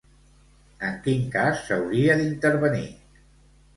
En quin cas s'hauria d'intervenir?